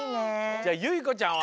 じゃあゆいこちゃんは？